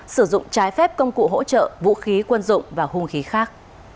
sử dụng trái phép công cụ hỗ trợ vũ khí quân dụng và hung khí khác